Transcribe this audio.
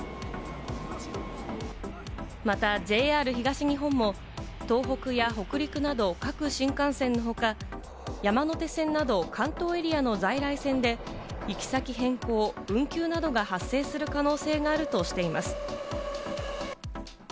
またＪＲ東日本も東北や北陸など各新幹線の他、山手線など関東エリアの在来線で、行き先変更、運休など発生をする可能性があるとしています。